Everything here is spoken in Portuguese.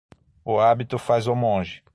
O hábito faz o monge